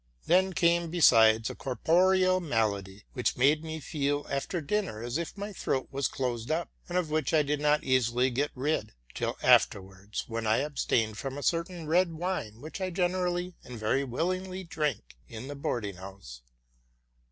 Then came besides a bodily ailing, which made me feel after dinner as if my throat was closed up, and of which I did not easily get rid, till afterwards, when I abstained from a certain red wine, which IT generally and very willingly drank in the boarding house.